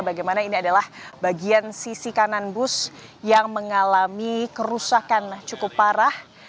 bagaimana ini adalah bagian sisi kanan bus yang mengalami kerusakan cukup parah